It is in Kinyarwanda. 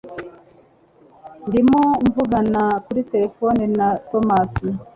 Ndimo mvugana kuri terefone na Tomasi.